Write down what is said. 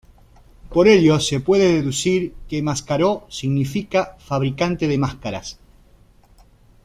Por ello se puede deducir que Mascaró significa: fabricante de máscaras.